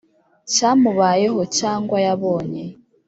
cyamubayeho cyangwa yabonye